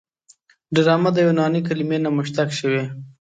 ډرامه د یوناني کلمې نه مشتق شوې.